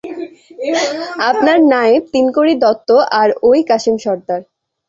আপনার নায়েব তিনকড়ি দত্ত আর ঐ কাসেম সর্দার।